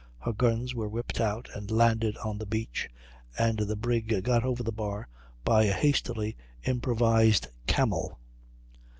Her guns were whipped out and landed on the beach, and the brig got over the bar by a hastily improvised "camel."